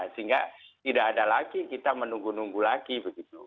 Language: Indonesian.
sehingga tidak ada lagi kita menunggu nunggu lagi begitu